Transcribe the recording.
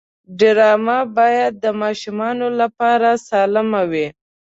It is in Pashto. ډرامه باید د ماشومانو لپاره سالم وي